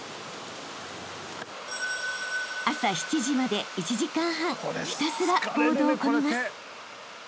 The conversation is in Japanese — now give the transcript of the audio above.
［朝７時まで１時間半ひたすらボードをこぎます］